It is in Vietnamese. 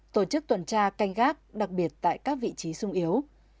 tổ chức tuần tra canh gác đặc biệt tại các vị trí sung yếu